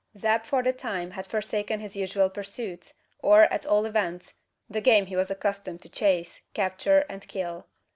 Zeb for the time had forsaken his usual pursuits, or, at all events, the game he was accustomed to chase, capture, and kill.